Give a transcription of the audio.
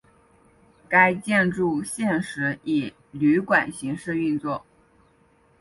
该建筑现时以旅馆形式运作。